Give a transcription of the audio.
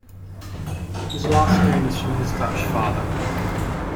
His last name is from his Dutch father.